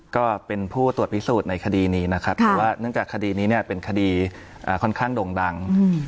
ก็เป็นผู้ตรวจพิสูจน์ในคดีนี้นะครับแต่ว่าเนื่องจากคดีนี้เนี่ยเป็นคดีค่อนข้างโด่งดัง